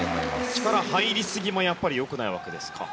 力、入りすぎもやっぱりよくないわけですか。